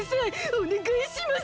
おねがいします！